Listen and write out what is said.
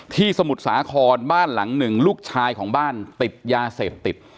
สมุทรสาครบ้านหลังหนึ่งลูกชายของบ้านติดยาเสพติด